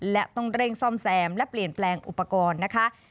และต้องเร่งซ่อมแซมและเปลี่ยนแปลงอุปกรณ์นะคะ